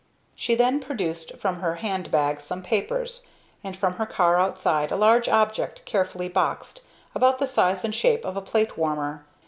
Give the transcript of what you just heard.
She then produced from her hand bag some papers, and, from her car outside, a large object carefully boxed, about the size and shape of a plate warmer.